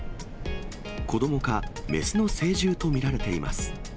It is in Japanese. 子どもか、雌の成獣と見られています。